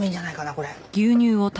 これ。